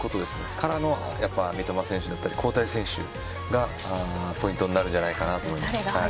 からの三笘選手だったり交代選手がポイントになるんじゃないかなと思います。